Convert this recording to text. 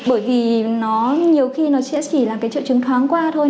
bởi vì nó nhiều khi nó chỉ là triệu chứng thoáng qua thôi